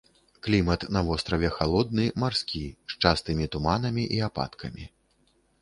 Клімат на востраве халодны марскі, з частымі туманамі і ападкамі.